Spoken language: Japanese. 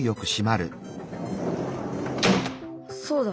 そうだ。